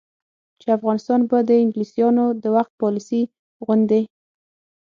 چې افغانستان به د انګلیسانو د وخت پالیسي غوندې،